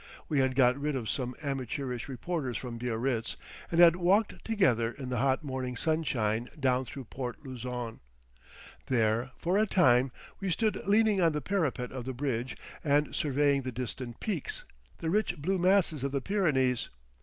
We had got rid of some amateurish reporters from Biarritz, and had walked together in the hot morning sunshine down through Port Luzon. There, for a time, we stood leaning on the parapet of the bridge and surveying the distant peeks, the rich blue masses of the Pyrenees.